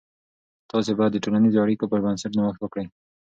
تاسې باید د ټولنیزو اړیکو پر بنسټ نوښت وکړئ.